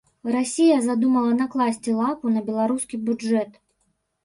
Расія задумала накласці лапу на беларускі бюджэт.